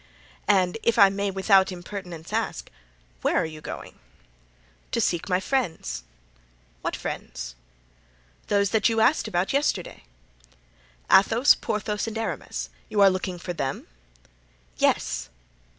"And if I may without impertinence ask—where are you going?" "To seek my friends." "What friends?" "Those that you asked about yesterday." "Athos, Porthos and Aramis—you are looking for them?" "Yes."